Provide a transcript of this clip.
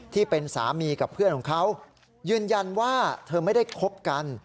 ที่เป็นสามีกับเพื่อนของเขายืนยันว่าเธอไม่ได้คบกัน